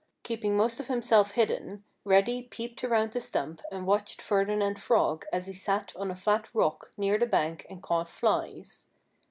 Keeping most of himself hidden, Reddy peeped around the stump and watched Ferdinand Frog as he sat on a flat rock near the bank and caught flies.